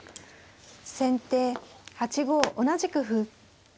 先手８五同じく歩。